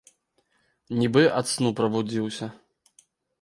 Нібы ад сну прабудзіўся.